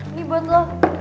ini buat lo